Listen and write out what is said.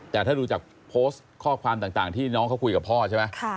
แต่ถ้าดูจากโพสต์ข้อความต่างที่น้องเขาคุยกับพ่อใช่ไหม